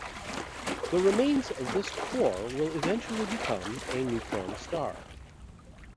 The remains of this core will eventually become a neutron star.